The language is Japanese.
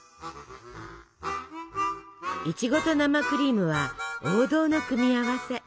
イチゴと生クリームは王道の組み合わせ。